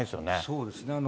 そうですね。